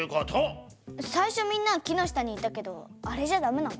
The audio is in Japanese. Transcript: さいしょみんなは木の下にいたけどあれじゃダメなの？